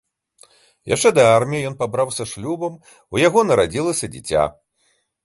Яшчэ да арміі ён пабраўся шлюбам, у яго нарадзілася дзіця.